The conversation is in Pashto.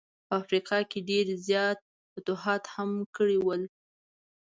په افریقا کي یې ډېر زیات فتوحات هم کړي ول.